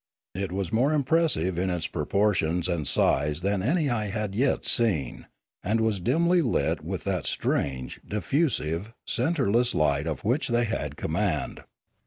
It was more impressive in its pro portions and size than any I had yet seen, and was dimly lit with that strange, diffusive, centreless light of which they had command.